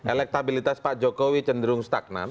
elektabilitas pak jokowi cenderung stagnan